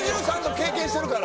経験してるから。